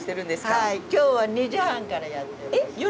はい今日は２時半からやってます。